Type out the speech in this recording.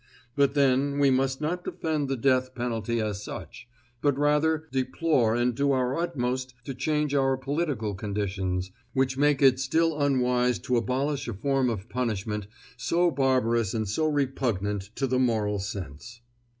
But, then, we must not defend the death penalty as such, but rather deplore and do our utmost to change our political conditions, which make it still unwise to abolish a form of punishment so barbarous and so repugnant to the moral sense.